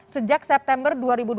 sejak september dua ribu dua puluh